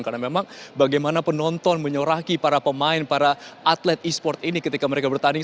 karena memang bagaimana penonton menyoraki para pemain para atlet esports ini ketika mereka bertanding